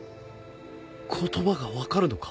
言葉が分かるのか？